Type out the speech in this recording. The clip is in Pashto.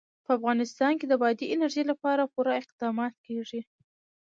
په افغانستان کې د بادي انرژي لپاره پوره اقدامات کېږي.